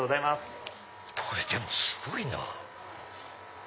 これでもすごいな。